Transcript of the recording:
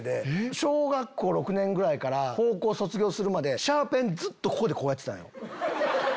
小学校６年ぐらいから高校卒業するまでシャーペンずっとここでこうやってたんよ。